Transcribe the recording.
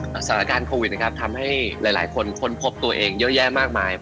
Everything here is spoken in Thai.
สถานการณ์โควิดนะครับทำให้หลายคนค้นพบตัวเองเยอะแยะมากมาย